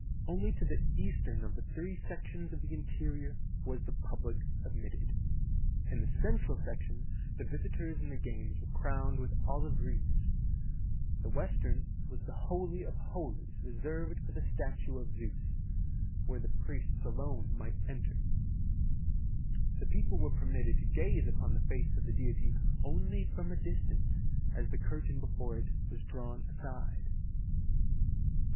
Only to the eastern of the three sections of the interior was the public admitted; in the central section STATUE OF THE OLYMPIAN ZEUS 89 the victors in the games were crowned with olive wreaths; the western was the holy of holies re served for the statue of Zeus, where the priests alone might enter. The people were permitted to gaze upon the face of the deity only from a distance as the curtain before it was drawn aside.